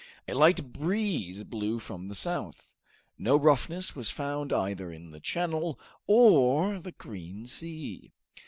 A light breeze blew from the south. No roughness was found either in the channel or the green sea.